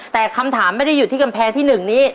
แต่คำถามไม่ได้อยู่ที่กำแพงที่๑นี้